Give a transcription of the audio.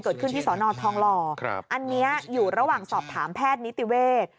ที่สอนอทองหล่ออันนี้อยู่ระหว่างสอบถามแพทย์นิติเวศ